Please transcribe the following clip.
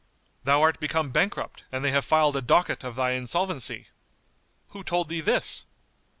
"Thou art become bankrupt and they have filed a docket of thine insolvency." "Who told thee this?"